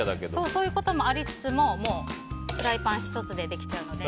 そういうこともありつつもフライパン１つでできちゃうので。